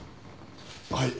はい。